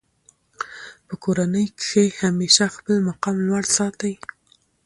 په کورنۍ کښي همېشه خپل مقام لوړ ساتئ!